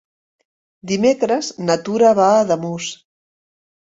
Dimecres na Tura va a Ademús.